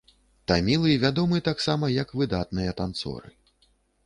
Тамілы вядомы таксама як выдатныя танцоры.